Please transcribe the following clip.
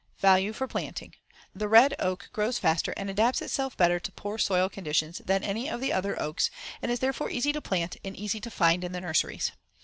Value for planting: The red oak grows faster and adapts itself better to poor soil conditions than any of the other oaks and is therefore easy to plant and easy to find in the nurseries.